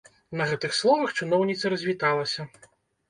На гэтых словах чыноўніца развіталася.